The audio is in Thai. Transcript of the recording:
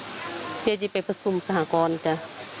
เกรียร์จะไปผสมสหกรณ์ก็